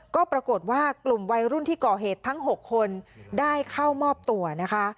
ก็ปรากฏว่ากลุ่มวัยรุ่นที่ก่อเหตุทั้ง๖คนได้เข้ามอบตัวนะคะ